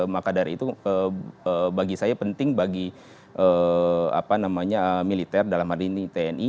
maka dari itu bagi saya penting bagi militer dalam hari ini tni